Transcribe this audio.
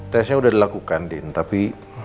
tesnya sudah dilakukan din tapi